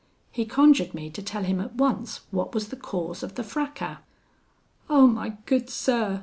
He conjured me to tell him at once what was the cause of the fracas. 'Oh, my good sir!'